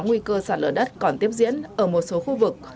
nguy cơ sản lửa đất còn tiếp diễn ở một số khu vực